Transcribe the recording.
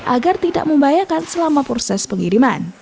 agar tidak membahayakan selama proses pengiriman